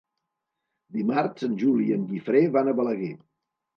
Dimarts en Juli i en Guifré van a Balaguer.